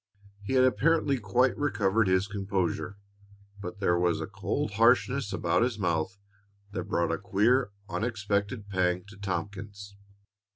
He had apparently quite recovered his composure, but there was a cold hardness about his mouth that brought a queer, unexpected pang to Tompkins.